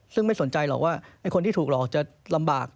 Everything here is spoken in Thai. ซึ่งไม่สนใจหรอกว่าไอ้คนที่ถูกหลอกจะลำบาก